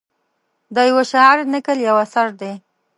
د یوه شاعر نکل یو اثر دی.